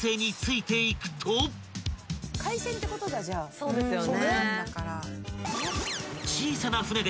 そうですよね。